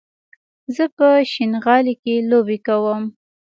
زه په شينغالي کې لوبې کوم